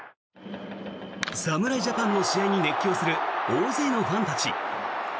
侍ジャパンの試合に熱狂する大勢のファンたち。